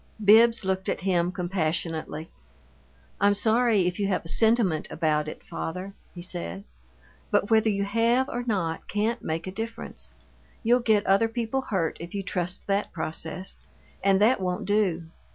Bibbs looked at him compassionately. "I'm sorry if you have a sentiment about it, father," he said. "But whether you have or not can't make a difference. You'll get other people hurt if you trust that process, and that won't do.